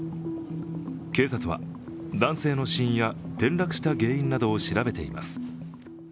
警察は男性の死因や転落した原因などを調べています。